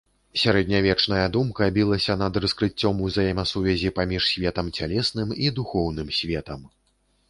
Сярэднявечная думка білася над раскрыццём ўзаемасувязі паміж светам цялесным і духоўным светам.